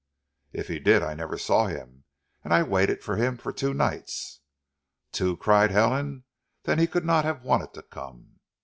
"If he did, I never saw him and I waited for him two nights!" "Two!" cried Helen. "Then he could not have wanted to come."